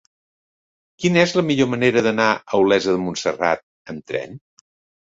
Quina és la millor manera d'anar a Olesa de Montserrat amb tren?